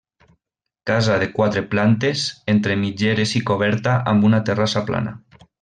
Casa de quatre plantes entre mitgeres i coberta amb una terrassa plana.